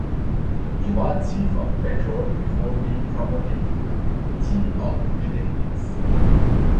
He was Chief of Patrol before being promoted to Chief of Detectives.